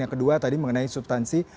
yang kedua tadi mengenai subtansi